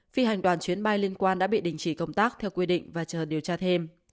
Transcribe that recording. phi hành đoàn chuyến bay liên quan đã bị đình chỉ công tác theo quy định và chờ điều tra thêm